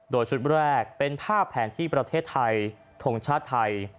โดยชุดแรกเป็นภาพแผนที่ประเทศไทยทงชาติไทย